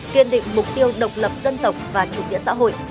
kiên định mục tiêu độc lập dân tộc và chủ nghĩa xã hội